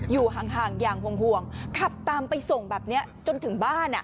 อยู่ห่างอย่างห่วงขับตามไปส่งแบบนี้จนถึงบ้าน